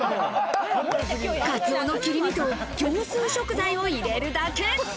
カツオの切り身と、業スー食材を入れるだけ。